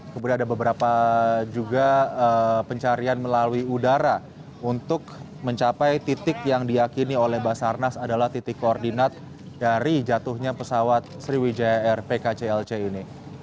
kemudian ada beberapa juga pencarian melalui udara untuk mencapai titik yang diakini oleh basarnas adalah titik koordinat dari jatuhnya pesawat sriwijaya air pkclc ini